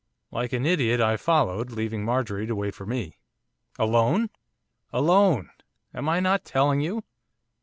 Like an idiot I followed, leaving Marjorie to wait for me ' 'Alone?' 'Alone! Am I not telling you?